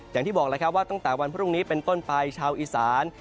อย่างที่บอกแล้วครับว่าตั้งแต่วันพรุ่งนี้เป็นต้นไปชาวอีสาน